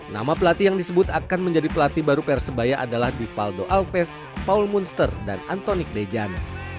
nama pelatih yang disebut akan menjadi pelatih baru persebaya adalah divaldo alves paul monster dan antonik dejan